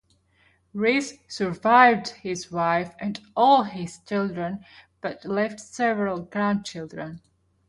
Rees survived his wife and all his children, but left several grandchildren.